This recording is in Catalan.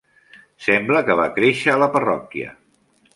Sembla que va créixer a la parròquia.